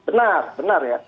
benar benar ya